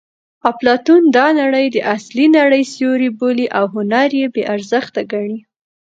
اپلاتون دا نړۍ د اصلي نړۍ سیوری بولي او هنر یې بې ارزښته ګڼي